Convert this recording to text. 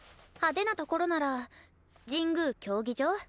派手なところなら神宮競技場？